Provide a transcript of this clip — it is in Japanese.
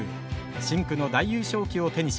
深紅の大優勝旗を手にしました。